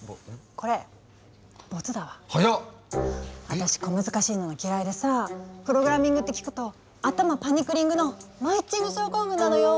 私小難しいのが嫌いでさプログラミングって聞くと頭パニクリングのマイッチング症候群なのよ。